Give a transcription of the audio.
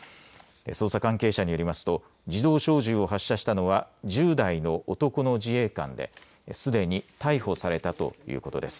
捜査関係者によりますと自動小銃を発射したのは１０代の男の自衛官ですでに逮捕されたということです。